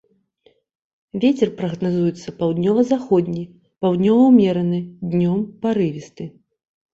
Вецер прагназуецца паўднёва-заходні, паўднёвы ўмераны, днём парывісты.